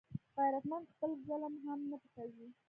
غیرتمند خپل ظلم هم نه پټوي